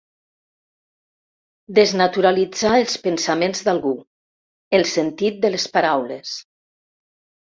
Desnaturalitzar els pensaments d'algú, el sentit de les paraules.